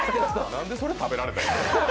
何でそれ食べられたんや。